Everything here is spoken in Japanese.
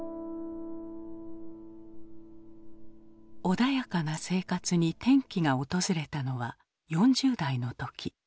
穏やかな生活に転機が訪れたのは４０代の時。